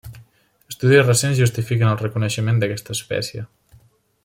Estudis recents justifiquen el reconeixement d'aquesta espècie.